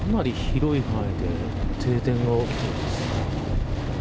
かなり広い範囲で停電が起きています。